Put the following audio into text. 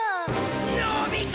のび太！！